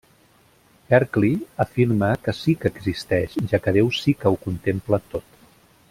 Berkeley afirma que sí que existeix, ja que Déu sí que ho contempla tot.